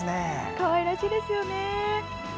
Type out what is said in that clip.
かわいらしいですよね。